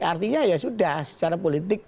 artinya ya sudah secara politik